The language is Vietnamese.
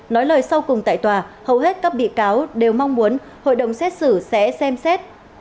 nói lời sau cùng tại tòa hầu hết các bị cáo đều mong muốn hội đồng xét xử sẽ xem xét